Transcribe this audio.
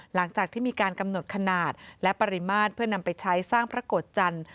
หลังจากที่มีการกำหนดขนาดและปริมาตรเพื่อนำไปใช้สร้างพระโกรธจันทร์